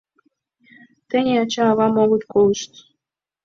Тений ача-авам огыт колышт.